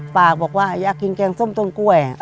ฝากบอกว่าอยากกินแกงส้มต้นกล้วย